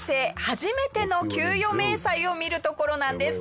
初めての給与明細を見るところなんです。